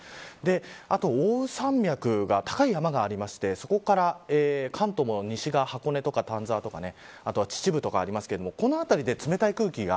あと奥羽山脈、高い山がありましてそこから関東の西側箱根とか丹沢とか秩父とかありますがこの辺りで冷たい空気が